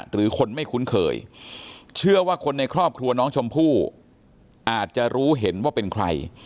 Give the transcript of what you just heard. หรือคนไม่คุ้นเคยเชื่อว่าคนในครอบครัวน้องชมพู่อาจจะรู้เห็นว่าเป็นใคร